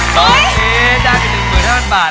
ตอนนี้ได้ไปถึงหมื่นห้าพันบาท